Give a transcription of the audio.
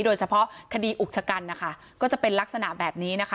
โดยเฉพาะคดีอุกชะกันนะคะก็จะเป็นลักษณะแบบนี้นะคะ